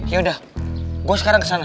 yaudah gue sekarang kesana